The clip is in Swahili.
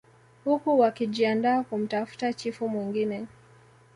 Huku wakijiandaa kumtafuta chifu mwingine